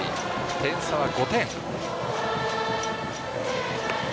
点差は５点。